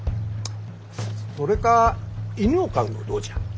それか犬を飼うのはどうじゃ？